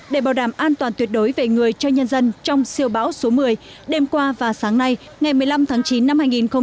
để bảo đảm an toàn tuyệt đối về người cho nhân dân trong siêu bão số một mươi đêm qua và sáng nay ngày một mươi năm tháng chín năm hai nghìn một mươi chín